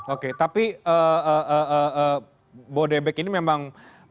oke tapi bodebek ini memang